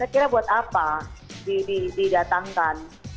saya kira buat apa didatangkan